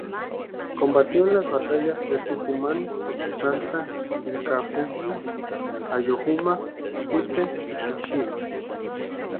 Combatió en las batallas de Tucumán, Salta, Vilcapugio, Ayohuma y Sipe Sipe.